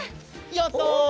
やった！